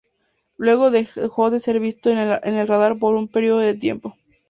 Luego dejó de ser visto en el radar por un periodo de tiempo.